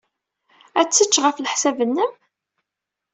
Ad tečč, ɣef leḥsab-nnem?